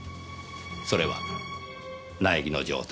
それは苗木の状態。